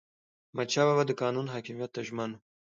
احمدشاه بابا د قانون حاکمیت ته ژمن و.